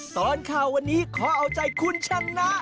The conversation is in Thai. ตลอดข่าววันนี้ขอเอาใจคุณชนะ